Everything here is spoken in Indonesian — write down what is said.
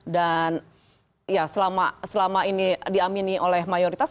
dan ya selama ini diamini oleh mayoritas